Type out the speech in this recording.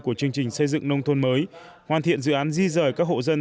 của chương trình xây dựng nông thôn mới hoàn thiện dự án di rời các hộ dân